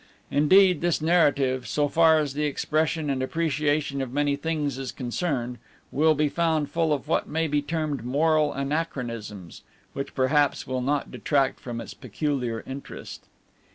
Indeed, this narrative, so far as the expression and appreciation of many things is concerned, will be found full of what may be termed moral anachronisms, which perhaps will not detract from its peculiar interest.